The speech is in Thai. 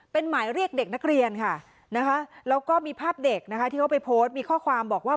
เป็นหมายเรียกเด็กนักเรียนค่ะนะคะแล้วก็มีภาพเด็กนะคะที่เขาไปโพสต์มีข้อความบอกว่า